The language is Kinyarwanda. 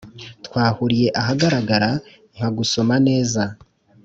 twahuriye ahagaragara nkagusoma neza